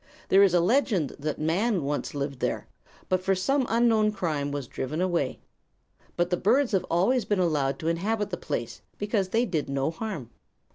There is a legend that man once lived there, but for some unknown crime was driven away. But the birds have always been allowed to inhabit the place because they did no harm."